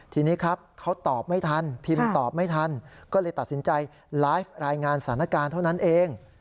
ทีนี้ครับเขาตอบไม่ทันพิมพ์ตอบไม่ทันก็เลยตัดสินใจไลฟ์รายงานสถานการณ์เท่านั้นเอง